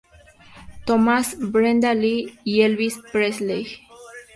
Thomas, Brenda Lee y Elvis Presley.